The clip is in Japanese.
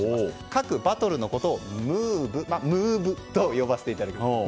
各バトルのことをムーブと呼ばせていただきます。